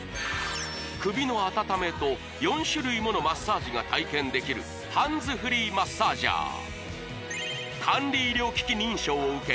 首の温めと４種類ものマッサージが体験できるハンズフリーマッサージャー管理医療機器認証を受け